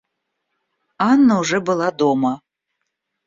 Анна уже была дома.